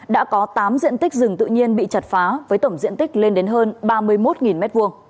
đã có tám diện tích rừng tự nhiên bị chặt phá với tổng diện tích lên đến hơn ba mươi một m hai